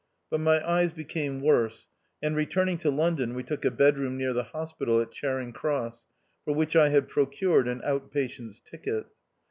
But my eyes became worse, and returning to London, we took a bedroom near the hos pital at Charing Cross, for which I had pro cured an out patient's ticket.